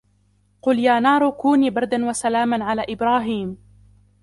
قُلْنَا يَا نَارُ كُونِي بَرْدًا وَسَلَامًا عَلَى إِبْرَاهِيمَ